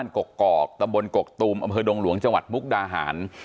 กกอกตำบลกกตูมอำเภอดงหลวงจังหวัดมุกดาหาร